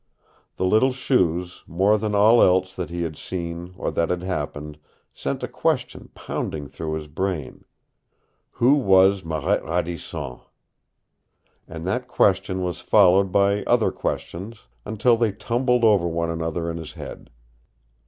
The little shoes, more than all else that he had seen or that had happened, sent a question pounding through his brain. Who was Marette Radisson? And that question was followed by other questions, until they tumbled over one another in his head.